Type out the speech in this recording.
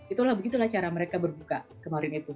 itulah begitulah cara mereka berbuka kemarin itu